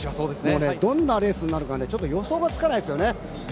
どんなレースになるか、予想がつかないですね。